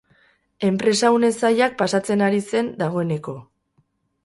Enpresa une zailak pasatzen ari zen dagoeneko.